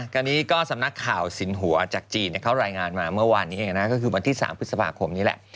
คราวนี้ก็สำนักข่าวสิงหัวจากจีนเขารายงานมาเมื่อวานเองเลยนะ